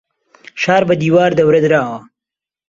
شار بە دیوار دەورە دراوە.